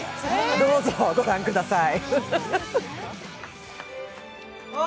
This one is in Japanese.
どうぞご覧ください。